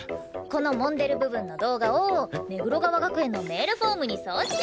この揉んでる部分の動画を目黒川学園のメールフォームに送信して。